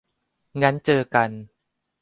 งั้นเจอกัน